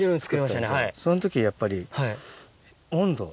その時やっぱり。